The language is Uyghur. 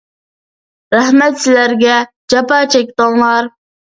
رەھمەت سىلەرگە، جاپا چەكتىڭلار!